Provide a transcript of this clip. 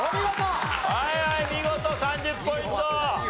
はいはい見事３０ポイント！